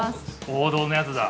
◆王道のやつだ。